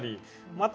また